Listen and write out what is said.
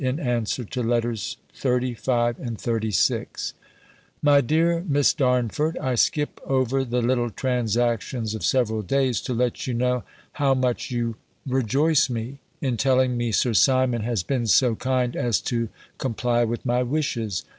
In Answer to Letters XXXV and XXXVI._ MY DEAR MISS DARNFORD, I skip over the little transactions of several days, to let you know how much you rejoice me, in telling me Sir Simon has been so kind as to comply with my wishes.